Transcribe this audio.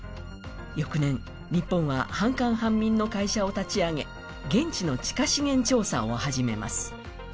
翌年、日本は半官半民の会社を立ち上げ現地の地下資源調査を始めます。